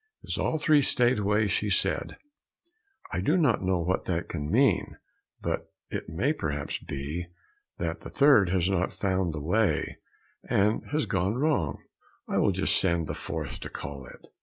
As all three stayed away she said, "I do not know what that can mean, but it may perhaps be that the third has not found the way, and has gone wrong, I will just send the fourth to call it."